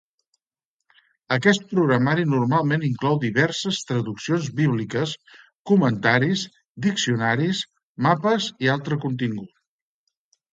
Aquest programari normalment inclou diverses traduccions bíbliques, comentaris, diccionaris, mapes i altre contingut.